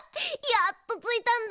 やっとついたんだ。